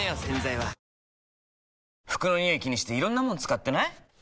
洗剤は服のニオイ気にしていろんなもの使ってない？